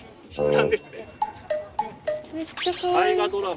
「『大河ドラマ』